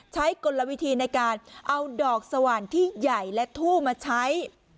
กลวิธีในการเอาดอกสว่านที่ใหญ่และทู่มาใช้